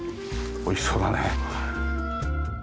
美味しそうだね。